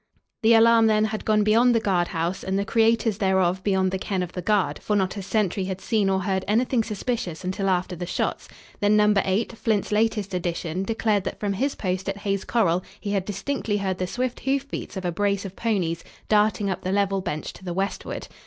The alarm, then, had gone beyond the guard house, and the creators thereof beyond the ken of the guard, for not a sentry had seen or heard anything suspicious until after the shots; then Number 8, Flint's latest addition, declared that from his post at Hay's corral he had distinctly heard the swift hoofbeats of a brace of ponies darting up the level bench to the westward.